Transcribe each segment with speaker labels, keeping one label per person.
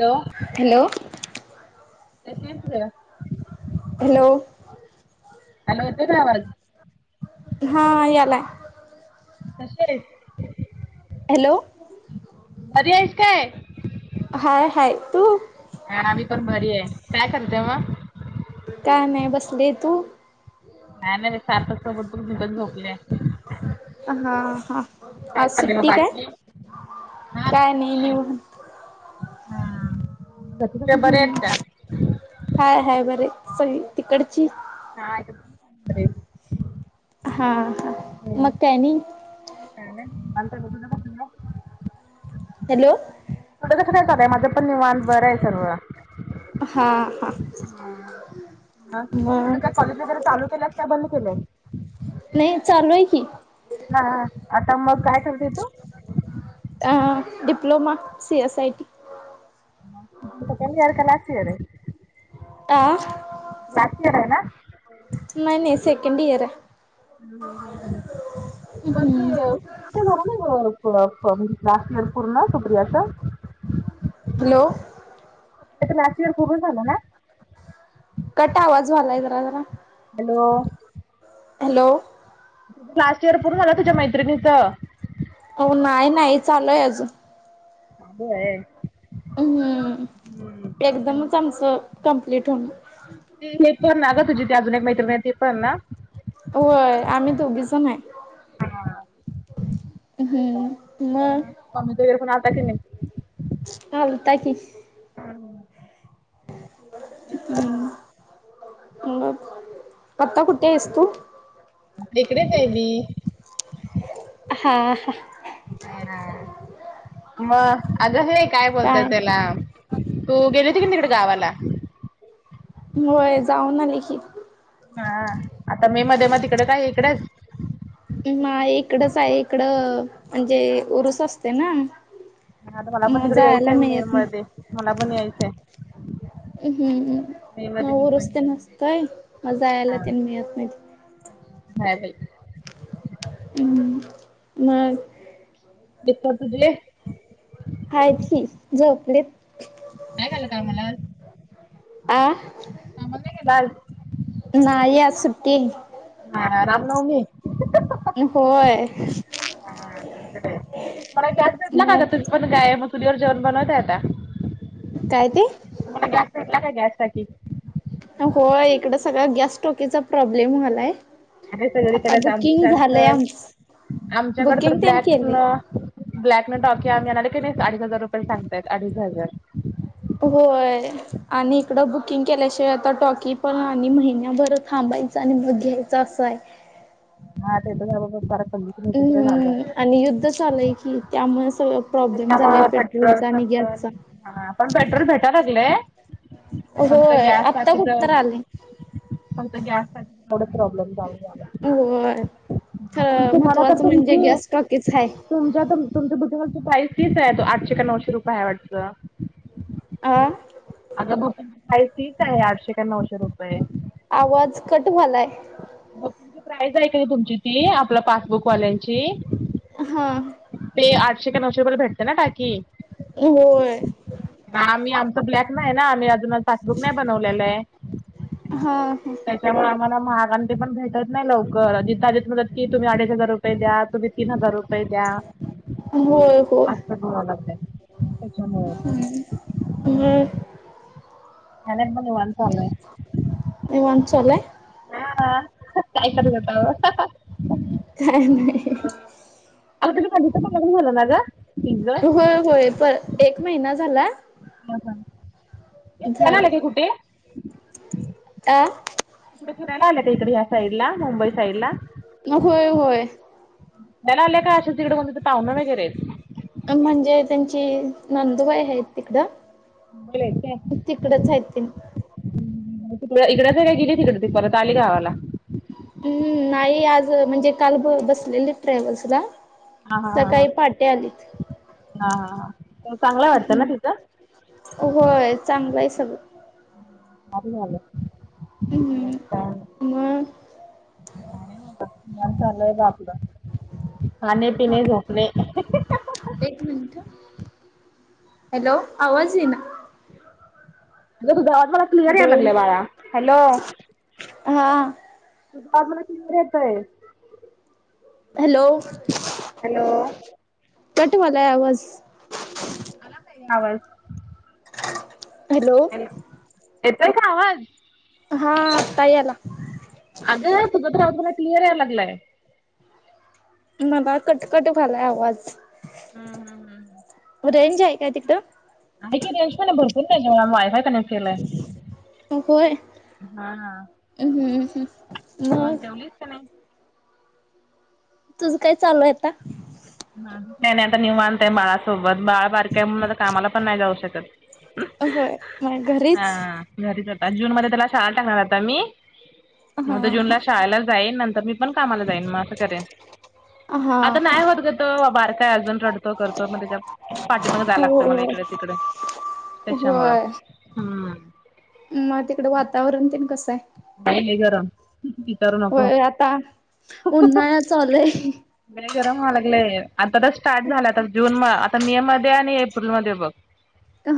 Speaker 1: Hello
Speaker 2: hello
Speaker 1: [unintelligible]
Speaker 2: hello
Speaker 1: hello येतोय काय आवाज
Speaker 2: हा यालाय
Speaker 1: कशे रेट
Speaker 2: हॅलो
Speaker 1: बरी हाइस काय
Speaker 2: हाय हाय तू
Speaker 1: हा हा मी पण बरी हाय काय करते म
Speaker 2: काय नाही बसले तू
Speaker 1: काय नाही बाई सार्थक सोबत दोन मिनट झोपले
Speaker 2: हा हा
Speaker 1: काय
Speaker 2: आज
Speaker 1: चाललंय मग
Speaker 2: सुट्टी काय
Speaker 1: बाकी? हा
Speaker 2: काय नाही
Speaker 1: सुट्टी आहे.
Speaker 2: निवांत
Speaker 1: हा. घरचे सगळे बरे आहेत
Speaker 2: हम्म
Speaker 1: का?
Speaker 2: हाय हाय बरी सगळी तिकडची
Speaker 1: हा आहे बरे
Speaker 2: हा
Speaker 1: हम्म.
Speaker 2: मग काय आनी
Speaker 1: [unintelligible]
Speaker 2: हॅलो,
Speaker 1: थों कस काय चालंय माझं पण निवाण बरं आहे सर्व.
Speaker 2: हा हा
Speaker 1: हा मग तुझ काय कॉलेज वगैरे चालू केलंत काय? बंद केलंय?
Speaker 2: नाही चालू आहे की.
Speaker 1: हा हा आता मग काय करते तू?
Speaker 2: अ diploma C S I T.
Speaker 1: Second year का लास्ट इयर हायस.
Speaker 2: आ नाही नाही सेकंड इयर आहे.
Speaker 1: हम् ह हम् म [unintelligible] तुमच घरान जवळ फूड लास्ट इयर पुर्ण सुप्रियाच्.
Speaker 2: हॅलो,
Speaker 1: लास्ट इयर पूरण झालं ना?
Speaker 2: कट आवाज व्हायेलाय जरा, जरा.
Speaker 1: हॅलो,
Speaker 2: हॅलो,
Speaker 1: लास्ट इयर पूर्ण झालं तुझ्या मैत्रिणीचं.
Speaker 2: हो नाही नाही चालूय अजून.
Speaker 1: चालु हाय.
Speaker 2: हम्म एकदमच
Speaker 1: ते-
Speaker 2: आमचं कम्प्लीट हून.
Speaker 1: ते पण ना ग तुझी त अजून एक मैत्रिणी आहे ते पण ना?
Speaker 2: होय आम्ही दोघीजण हाय.
Speaker 1: हा. मग
Speaker 2: हम मग.
Speaker 1: मम्मी दयू आलता की नाही.
Speaker 2: आलता की.
Speaker 1: निस्तर,
Speaker 2: मग आता कुठे आहेस तू?
Speaker 1: आपले इकडेच हाय मी.
Speaker 2: हा हा.
Speaker 1: हेणा म आलो मी काय बोलताय त्याला? तू गेली होती कि मी तिकडं गावाला?
Speaker 2: होय जाऊन आले की.
Speaker 1: हा आता मे मध्ये म तिकड काय इकडच.
Speaker 2: नाय इकडच हाय इकडं म्हणजे उरूस असतोय ना.
Speaker 1: हा आता मला पण
Speaker 2: मग
Speaker 1: तिकडे
Speaker 2: जायला
Speaker 1: यायचंय आहे मे
Speaker 2: मिळत नाही
Speaker 1: मध्ये मला पण यायचंय.
Speaker 2: हम
Speaker 1: मे
Speaker 2: हम म
Speaker 1: मध्ये
Speaker 2: उरूस तेन असतय म जायाला तेन मिळत नाही.
Speaker 1: नाय बाई.
Speaker 2: हम मग.
Speaker 1: दीपा तुजले.
Speaker 2: आहेत की जोपलेत.
Speaker 1: नाही झालं कामला आज?
Speaker 2: आ
Speaker 1: कामाला नाही गेल आज?
Speaker 2: नाही आज सुट्टीई.
Speaker 1: हा रामनवमी. [inaudible]
Speaker 2: होय
Speaker 1: हं तुम्हाला गॅस भेटला का ग,?
Speaker 2: मग
Speaker 1: तुम्ही पण काय मग चूलीवर जेवण बनवत आहे आता.
Speaker 2: काय ते?
Speaker 1: तुम्हांला गॅस भेटला काय? गॅस टाकी
Speaker 2: होंय इकडं सगळं गॅस टॉकीचा प्रॉब्लेम व्हालाय.
Speaker 1: आहे
Speaker 2: आता
Speaker 1: सगळीकडेच
Speaker 2: बुकिंग झालंय
Speaker 1: आमच्याकड
Speaker 2: आमच
Speaker 1: आमच्याकडं तर
Speaker 2: बुकिंग तेन केलय
Speaker 1: ब्लॅकं ब्लॅकं टॉकी आम्ही आणलोय की अडीच हजार रुपये सांगतायत अडीच हजार.
Speaker 2: होंय. आणि इकडं बुकिंग केल्याशिवाय आता टॉकी पण आणि महिन्याभर थांबायचं आणि मग घ्यायचं असंयं
Speaker 1: हां आता एकत्र राहा बाबा परत बहिणितेन एकत्र झाल्या.
Speaker 2: हम्म आणि युद्ध चालूयं की त्यामुळे सगळं प्रॉब्लेम झालायं पेट्रोलचा आणि गॅसचा.
Speaker 1: हां पण पेट्रोल भेटायलागलंय फक्त
Speaker 2: होय
Speaker 1: गॅस
Speaker 2: आत्ता
Speaker 1: साठीच
Speaker 2: कुठ तर आले
Speaker 1: फक्त गॅससाठीच थोड प्रॉब्लेम चालू झालायं.
Speaker 2: ता महत्त्वाचं म्हणजे गॅस स्टॉकीचहायं.
Speaker 1: तुमच्या तुमच्या बुकिगं वरची प्राइस तिच हाय आठशे का नऊशे रुपय हायं वाटत.
Speaker 2: आं.
Speaker 1: आगं बुकिगंची प्राईस तीचयं आठशे का नऊशे रुपये.
Speaker 2: आवाज कट व्हालाय?
Speaker 1: मग तुमची प्राइज हाय काय तुमची ती आपलं पासबुकवाल्यांची?
Speaker 2: हां.
Speaker 1: तें आठशे काय नऊशे रुपयेला भेटंते नां टाकी?
Speaker 2: होंय.
Speaker 1: हां आम्ही आमचं ब्लॅकंहाय ना आम्ही अजून पाकबुक नाय बनवलेलंयं.
Speaker 2: हा
Speaker 1: [inaudible] त्यामुळे आम्हाला महागांन‌ तेपण भेटत नाय लवकर तीत आधीच म्हणतात की तुम्ही अडीच हजार रुप पयंद्या तुम्ही तीन हजार रुपय द्या?
Speaker 2: होय होय.
Speaker 1: पेट्रोल वाढत नाय त्याच्यामुळे [unintelligible]
Speaker 2: हुं.
Speaker 1: झालेत बघ निवांत चालूयं.
Speaker 2: निवांत चालूयं?
Speaker 1: हां [unintelligible] काय करत होता ओं?
Speaker 2: काय नायी.
Speaker 1: आगं तुज पल्लीच भाडंण झाला नां ग? तिज
Speaker 2: होयं होयं प एक महिना झाला.
Speaker 1: होंना ये तू
Speaker 2: झाले
Speaker 1: जाणारयं का कुठे?
Speaker 2: आ
Speaker 1: कुठे फरायला आल्यात इकडे ह्या साइड ला मुंबई साईड ला?
Speaker 2: म होय होय.
Speaker 1: फिराला आल्या काय अशे तिकडे कोणीतरी पाहणं वगैरेतं?
Speaker 2: अंम म्हणजे त्यांची नंदुबाई हायत तिकडं.
Speaker 1: मुंबईला हायत
Speaker 2: तिकडच
Speaker 1: काय?
Speaker 2: आहेत तेनी
Speaker 1: हुं मग तिकडं इकडं न ती गेली तिकड परत आली गावाला.
Speaker 2: हुं नायी आज म्हणजे काल बसलेलीत ट्रॅव्हल्स ला
Speaker 1: हां हां हां हां हां हां चांगला वाटतं ना तिथं?
Speaker 2: होय चांगलंयं सगळं.
Speaker 1: हां बी झालं.
Speaker 2: हम्म
Speaker 1: काय
Speaker 2: हम्म मग?
Speaker 1: नाही नाही निवांत चालय बघ आपलं. खाणे
Speaker 2: हा.
Speaker 1: पिणे झोपणे अगं
Speaker 2: एक मिनिट हॅलो आवाज ये ना.
Speaker 1: हॅलो तुझा आवाज मला क्लिअर येयला
Speaker 2: हॅलो
Speaker 1: लागला बाळा हॅलो.
Speaker 2: हा.
Speaker 1: तुझा आवाज मला क्लियर येतंय.
Speaker 2: हॅलो
Speaker 1: हॅलो
Speaker 2: कट होत्या आवाज.
Speaker 1: आला ताई आवाज.
Speaker 2: हॅलो
Speaker 1: येतोय का आवाज?
Speaker 2: हा ताई आला.
Speaker 1: अग तुझा तर आवाज मला क्लियर यायला लागलाय.
Speaker 2: मला कटकट व्हायला आवाज.
Speaker 1: हम्म हम्म हम्म
Speaker 2: रेंज आहे काय तिथं.
Speaker 1: आहे की रेंज पण भरपूर नाही जेव्हा वायफाय कनेक्ट केलंय.
Speaker 2: होय.
Speaker 1: हा.
Speaker 2: हम्म हम्म
Speaker 1: मग जेवलीस का नाही?
Speaker 2: तुझं काय चालूय आता?
Speaker 1: काय नाय आता निवांत बाळासोबत बाळा बारके आहे म्हणून आता कामाला पण नाही जाऊ शकत.
Speaker 2: होय मग घरीच
Speaker 1: हा घरीच आता जून मध्ये त्याला शाळा टाकणार आता मी
Speaker 2: हा
Speaker 1: मग
Speaker 2: हा
Speaker 1: जूनला शाळेला जाईन नंतर मी पण कामाला जाईन मग असं करे
Speaker 2: हा
Speaker 1: आता
Speaker 2: हा
Speaker 1: नाही होत बार काय अजून रडतो करतो मग त्याच्या पाठीमाग जायला
Speaker 2: हो
Speaker 1: लागतं मला इकडे तिकडे. त्याच्यामुळं
Speaker 2: होय
Speaker 1: हम्म
Speaker 2: मग तिकडं वातावरण ते कसं आहे?
Speaker 1: आहे लय गरम विचारू नको
Speaker 2: होय आता उन्हाळ चालूय
Speaker 1: गरम व्हाय लागलेय आता तर स्टार्ट झालं आता जून मध्ये आता मे मध्ये आणि एप्रिल मध्ये बघ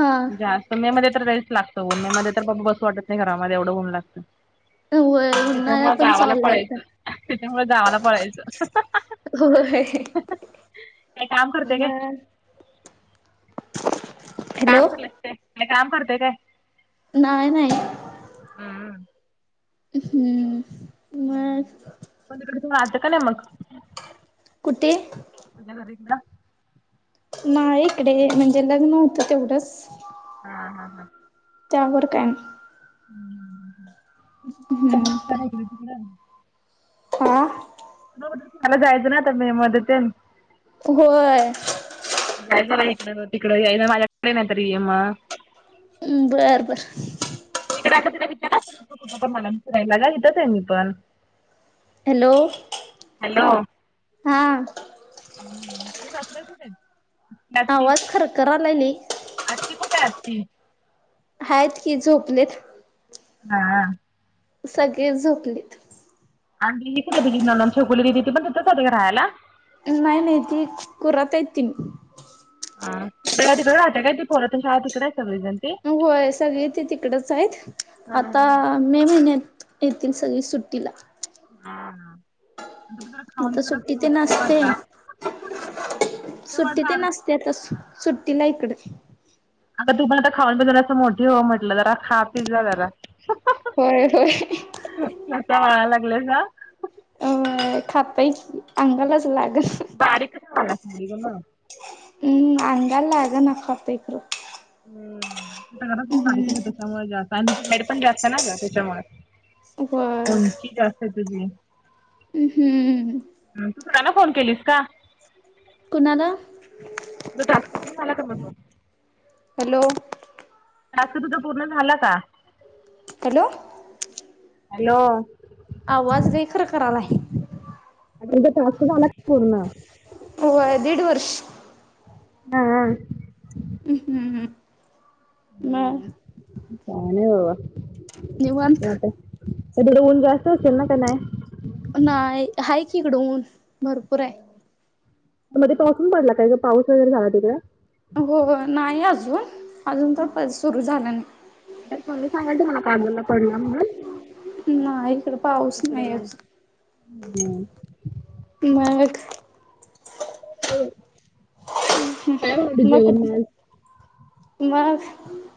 Speaker 2: हा
Speaker 1: जास्त मे मध्ये तर लइच लागतं ऊन मे मध्ये तर बसू वाटतं नाही घरामध्ये एवढं ऊन लागतं.
Speaker 2: होय. उन्हाळा
Speaker 1: त्याच्यामुळे
Speaker 2: पण
Speaker 1: गावाला
Speaker 2: चालू आहे
Speaker 1: पळायचं.
Speaker 2: आता
Speaker 1: त्याच्यामुळे गावाला पळायचं.
Speaker 2: होय
Speaker 1: काय काम करता काय?
Speaker 2: मग हॅलो
Speaker 1: काम करतेस काय काम करते काय?
Speaker 2: नाही नाही.
Speaker 1: हम्म.
Speaker 2: हम्म मग
Speaker 1: प तकडे थो आट का नाही मग [unintelligible]
Speaker 2: कुठे?
Speaker 1: तुझ्या घरी एकदा
Speaker 2: नाही इकडे म्हणजे लग्न होतं तेवढंच
Speaker 1: हा हा हा
Speaker 2: त्यावर काय हम्म
Speaker 1: लग्नच करायचं नसलं.
Speaker 2: हा
Speaker 1: [inaudible] त्याला जायचं ना आता मे मधे तेन
Speaker 2: होय
Speaker 1: काय जरा इकड म तिकड यायला माझ्याकडे नाहीतरी ये मग
Speaker 2: हम्म बर बर
Speaker 1: तिकडं [unintelligible] विचारलस? [unintelligible] आग इथच हाय मी पण.
Speaker 2: हॅलो
Speaker 1: हॅलो
Speaker 2: हा [inaudible]
Speaker 1: हम्म तुझ्या सासूबाई कुठं आहेत? आत्ती
Speaker 2: आवाज खरखरालाय लय.
Speaker 1: आत्ती ती कुठं असती?
Speaker 2: आहेत की झोपलेत?
Speaker 1: हा
Speaker 2: सगळीच झोपलीत.
Speaker 1: आणि ती ही कुठं गेली नणंद छकुली दिदी ती पण तिथंच होती काय राहायला?
Speaker 2: नाही, नाही ती कुरात य तिनी
Speaker 1: हा पहिला तिकड राहत्या काय ती पोरं तेन राहाय तिकड हाय सगळीजण ती?
Speaker 2: होय सगळी ती तिकडच आहेत
Speaker 1: हा हा.
Speaker 2: आता मे महिन्यात येतील सगळी सुट्टीला.
Speaker 1: [inaudible] आता जरा खाऊन
Speaker 2: आता
Speaker 1: तर जरा
Speaker 2: सुट्टी तेन
Speaker 1: मोठी हो
Speaker 2: आसते,
Speaker 1: आता.
Speaker 2: सुट्टी तेन आस
Speaker 1: आता
Speaker 2: ती आता सु सुट्टीला इकड.
Speaker 1: आता तू पण आता खाऊन पिऊन जरा असं मोठी हो म्हटलं जरा खा पी जा जरा
Speaker 2: होय होय
Speaker 1: स्वतः वाळाय लागलायसा.
Speaker 2: अ होय खातोय की, अंगालाच लागत ह
Speaker 1: बारीकच व्यायल्यास एवढी का म?
Speaker 2: हम आंगाला लागना खातोय खरं.
Speaker 1: हम लग्नात
Speaker 2: हम्म
Speaker 1: बारीकच होतो त्यामुळ जे आता आणि तरी पण जा होते ना ग त्याच्यामुळे,
Speaker 2: होय
Speaker 1: उंची जास्त हाय तुझी.
Speaker 2: ह हम्म.
Speaker 1: तू सरांना फोन केलीस का?
Speaker 2: कुणाला?
Speaker 1: तुझा टास्क पुर्ण झाला का मग तो?
Speaker 2: हॅलो.
Speaker 1: टास्क तुझा पूर्ण झाला का?
Speaker 2: [inaudible] हॅलो.
Speaker 1: हॅलो. [inaudible]
Speaker 2: आवाज लय खरखरालाय.
Speaker 1: आ तुझा टास्क झाला का पुर्ण?
Speaker 2: होय दिड वर्ष.
Speaker 1: हा. हा
Speaker 2: हम्म हम्म हम्म मग.
Speaker 1: काय नाही
Speaker 2: निवांत.
Speaker 1: बाबा अ तिगड ऊन जास्त असल ना, का नाय.
Speaker 2: नाही, हाय कि इकड ऊन, भरपूर हाय.
Speaker 1: मध्ये पाऊसून पडला काय ग, पाऊस वगैरे झाला तिकडे.
Speaker 2: होय! नाही अजून, अजून तर सुरू झाला नाही.
Speaker 1: त्यात म्ममी सांगालती मला कागलला पडला म्हणून,
Speaker 2: नाही, इकड पाऊस नाही अजून. मग, हम्म.
Speaker 1: काय बनवली
Speaker 2: मग,
Speaker 1: जेवण आज?
Speaker 2: मग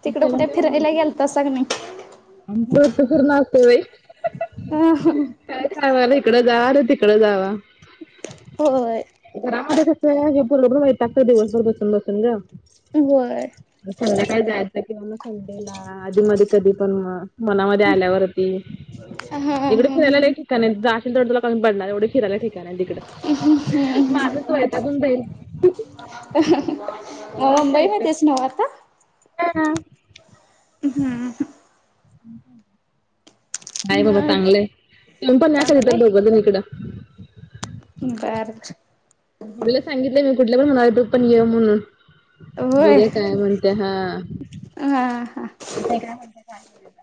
Speaker 2: तिकड
Speaker 1: जेवण
Speaker 2: कुठे फिरायला गेलता तासा का नाही.
Speaker 1: त पूर ना असते बाई.
Speaker 2: अ
Speaker 1: [inaudible] काय सागालं इकडं जावा, तिकडं जावा.
Speaker 2: होय.
Speaker 1: घरामध्ये कसं, हे पोरगं वैतागतय दिवसभर बसून बसून गं.
Speaker 2: होय.
Speaker 1: संध्याकाळी जायचं किंवा मग संडे ला, आधी मधी कधी पण मग, मनामध्ये आल्यावरती,
Speaker 2: हा
Speaker 1: इकडे
Speaker 2: हा
Speaker 1: फिरायला लय जाशील तेवढं तुला कमी पडनार, एवढं फिरायला ठेिकाणं हाईत इकडं, माणस वैतागून जाईल.
Speaker 2: मुंबईमध्येच नव्ह आतऽ [inaudible]
Speaker 1: हा, [unintelligible]
Speaker 2: हम्म.
Speaker 1: हाय बाबा
Speaker 2: मग
Speaker 1: चांगलंय, तुम्ही पण या कधीतर
Speaker 2: चांगलंय
Speaker 1: दोघजन इकडं.
Speaker 2: बर बर.
Speaker 1: तुला सांगितलंय मी कुठल्या पण म्हणा तु पण ये म्हणून.
Speaker 2: होय
Speaker 1: बघुया काय म्हणतोय हा.
Speaker 2: हा हा
Speaker 1: ते का कायऽ [inaudible]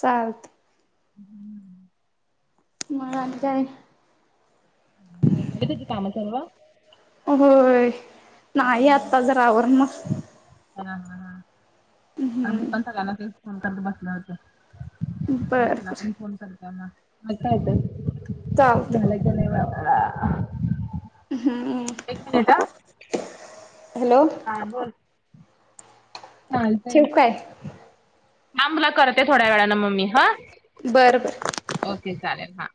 Speaker 2: चालतंय.
Speaker 1: हम्म. [inaudible]
Speaker 2: मग आणि काय.
Speaker 1: झाली तुझी कामं सगळी.
Speaker 2: होय. नाही आत्ता जरा आवरनार.
Speaker 1: हा हा आम्ही पण
Speaker 2: हम्म
Speaker 1: सगळ्यांना ते फोन करत बसलं होतं.
Speaker 2: बर बर
Speaker 1: [inaudible]
Speaker 2: चालतंय.
Speaker 1: [inaudible]
Speaker 2: हम्म
Speaker 1: एक मिनिट हा.
Speaker 2: हॅलो.
Speaker 1: हा बोल. चालतय.
Speaker 2: ठेवू काय
Speaker 1: थांब तुला करते थोड्या वेळाने म मी हा.
Speaker 2: बर बर.
Speaker 1: ओके चालेल हा.